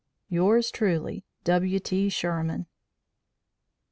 "Yours Truly, "W. T. SHERMAN."